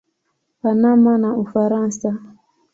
Panama na Ufaransa.